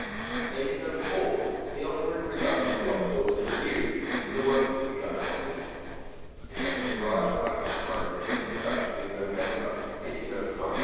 In 1804, the offer in regard to the opera was renewed, and work was begun upon it. It took up a large part of his time until its production in November of 1805.